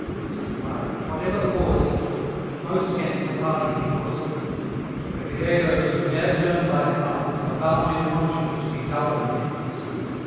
Still violent, whatever cause he took, But most against the party he forsook; For renegadoes, who ne'er turn by halves, Are bound in conscience to be double knaves.